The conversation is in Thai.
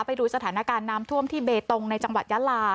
ไปดูสถานการณ์น้ำท่วมที่เบตงในจังหวัดยาลา